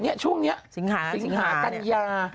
นี่ช่วงนี้สิงหาสิงหากัญญา